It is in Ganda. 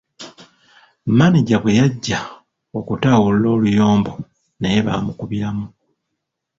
Maneja bwe yajja okutaawulula oluyombo naye baamukubiramu.